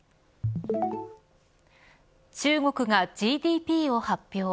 中国がＧＤＰを発表。